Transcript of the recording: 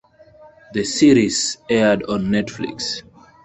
The series aired on Netflix.